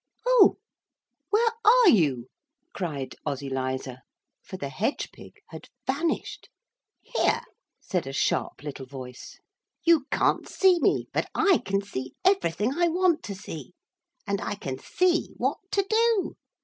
'Oh, where are you?' cried Ozyliza, for the hedge pig had vanished. 'Here,' said a sharp little voice. 'You can't see me, but I can see everything I want to see. And I can see what to do.